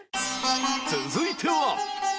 続いては